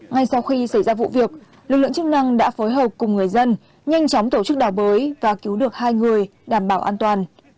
ngay sau khi xảy ra vụ việc lực lượng chức năng đã phối hợp cùng người dân nhanh chóng tổ chức đào bới và cứu được hai người đảm bảo an toàn